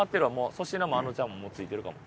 粗品もあのちゃんももうついてるかも。